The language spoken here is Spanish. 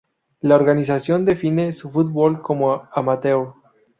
La organización define su fútbol como amateur.